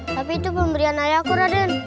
tapi itu pemberian ayahku raden